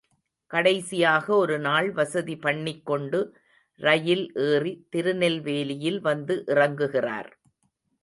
கடைசியாக ஒரு நாள் வசதி பண்ணிக்கொண்டு ரயில் ஏறி திருநெல்வேலியில் வந்து இறங்குகிறார்.